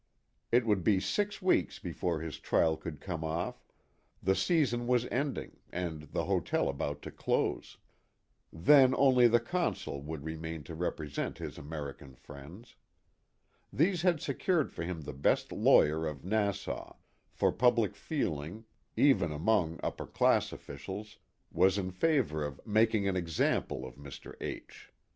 It would be six weeks before his trial could come off, the season was ending, and the hotel about to close ; then only the Consul would re main to represent his American friends. These had secured for him the best lawyer of Nassau, for public feeling, even among upper class 154 THE HAT OF THE POSTMASTER. officials, was in favor of " making an example " of Mr. H